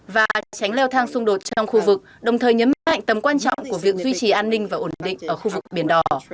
và tránh leo thang xung đột trong khu vực đồng thời nhấn mạnh tầm quan trọng của việc duy trì an ninh và ổn định ở khu vực biển đỏ